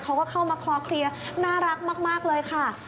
เขาก็เข้ามาคลอเคลียร์น่ารักมากเลยค่ะ